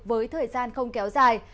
với thời gian không kéo dài